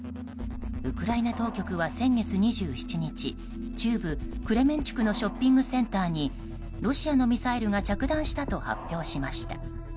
ウクライナ当局は先月２７日中部クレメンチュクのショッピングセンターにロシアのミサイルが着弾したと発表しました。